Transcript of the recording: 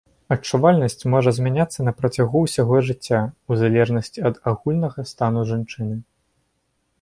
Адчувальнасць можа змяняцца на працягу ўсяго жыцця, у залежнасці ад агульнага стану жанчыны.